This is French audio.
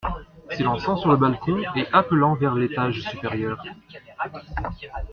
S’élançant sur le balcon et appelant vers l’étage supérieur.